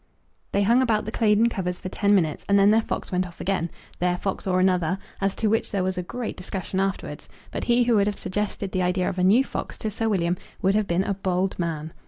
They hung about the Claydon covers for ten minutes, and then their fox went off again, their fox or another, as to which there was a great discussion afterwards; but he who would have suggested the idea of a new fox to Sir William would have been a bold man.